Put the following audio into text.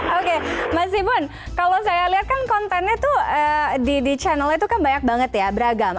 oke mas ibon kalau saya lihat kan kontennya tuh di channelnya itu kan banyak banget ya beragam